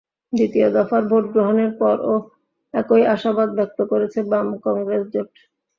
দ্বিতীয় দফার ভোট গ্রহণের পরও একই আশাবাদ ব্যক্ত করেছে বাম-কংগ্রেস জোট।